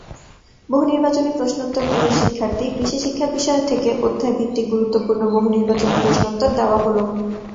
বহুনির্বাচনি প্রশ্নোত্তরপ্রিয় পরীক্ষার্থী, কৃষিশিক্ষা বিষয় থেকে অধ্যায়ভিত্তিক গুরুত্বপূর্ণ বহুনির্বাচনি প্রশ্নোত্তর দেওয়া হলো।